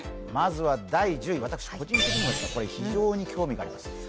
まずは第１０位、これは個人的には非常に興味があります。